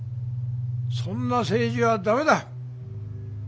そんな政治は駄目だ。